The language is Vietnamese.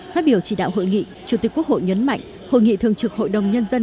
phát biểu chỉ đạo hội nghị chủ tịch quốc hội nhấn mạnh hội nghị thường trực hội đồng nhân dân